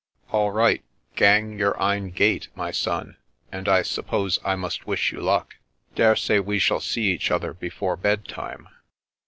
" All right, gang your ain gait, my son, and I suppose I must wish you luck. Daresay we shall see each other before bedtime."